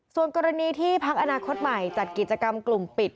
ส่วนกรณีที่พักอนาคตใหม่จัดกิจกรรมกลุ่มปิด